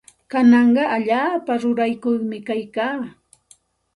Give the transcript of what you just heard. Kanaqa allaapa rurayyuqmi kaykaa.